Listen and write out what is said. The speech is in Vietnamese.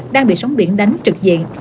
đang bị sóng biển đánh trực diện